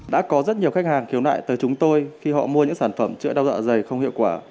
đã có rất nhiều khách hàng khiếu nại tới chúng tôi khi họ mua những sản phẩm chữa đau dạ dày không hiệu quả